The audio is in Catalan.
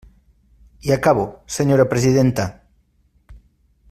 I acabo, senyora presidenta.